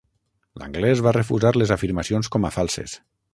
L'anglès va refusar les afirmacions com a falses.